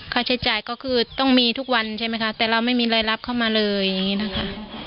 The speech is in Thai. ค่าใช้จ่ายก็คือต้องมีทุกวันใช่ไหมคะแต่เราไม่มีรายรับเข้ามาเลยอย่างนี้นะคะ